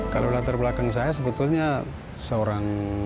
kalau latar belakang saya sebetulnya seorang